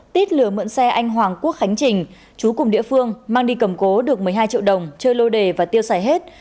tít lừa mượn xe anh hoàng quốc khánh trình chú cùng địa phương mang đi cầm cố được một mươi hai triệu đồng chơi lô đề và tiêu xài hết